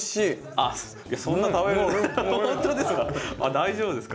大丈夫ですか？